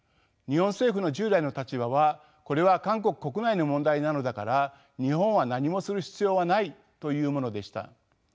日本政府の従来の立場はこれは韓国国内の問題なのだから日本は何もする必要はないというものでした。